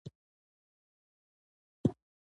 احمد اوعلي په وړه خبره یو له بل سره د خولې خوند خراب کړ.